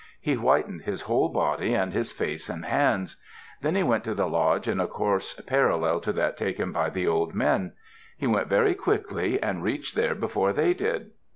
He whitened his whole body and his face and hands. Then he went to the lodge in a course parallel to that taken by the old men. He went very quickly and reached there before they did.